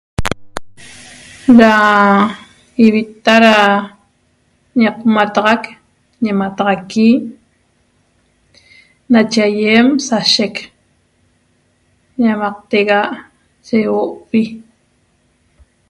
Ra ivita ra ñeqomataxac ñemataxaqui nache aiem sashec ñamaqtega ye ihuo'pi